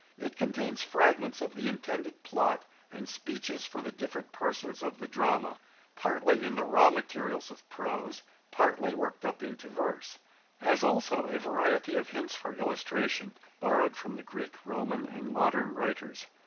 It contains fragments of the intended plot, and speeches for the different persons of the drama, partly in the raw materials of prose, partly worked up into verse; as also a variety of hints for illustration, borrowed from the Greek, Roman, and modern writers.